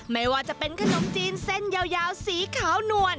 ไม่ว่าจะเป็นขนมจีนเส้นยาวสีขาวนวล